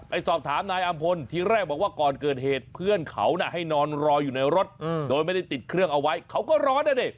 สอบถามนายอำพลทีแรกบอกว่าก่อนเกิดเหตุเพื่อนเขาน่ะให้นอนรออยู่ในรถโดยไม่ได้ติดเครื่องเอาไว้เขาก็ร้อนนะดิ